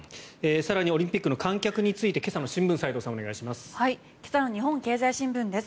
更にオリンピックの観客について今朝の新聞斎藤さんお願いします。